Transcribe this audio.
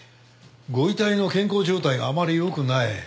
ご遺体の健康状態があまり良くない。